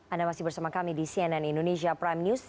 anda masih bersama kami di cnn indonesia prime news